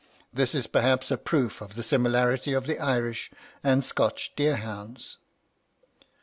This is, perhaps, a proof of the similarity of the Irish and Scotch deer hounds.